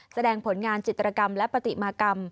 แสดงผลงานจิตรกรรมและปฏิมากรรม